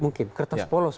mungkin kertas polos